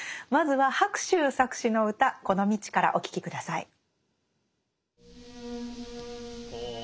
まずは白秋作詞の歌「この道」からお聴き下さい。